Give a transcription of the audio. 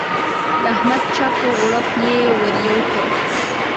د احمد چپ و غړوپ يې ور یو کړ.